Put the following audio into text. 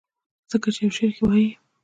ځکه چې يو شعر کښې وائي :